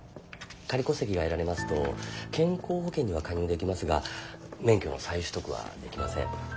仮戸籍が得られますと健康保険には加入できますが免許の再取得はできません。